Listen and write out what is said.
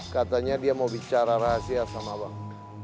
katanya dia mau bicara rahasia sama bang